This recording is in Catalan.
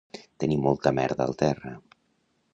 Tenir molta merda al terra.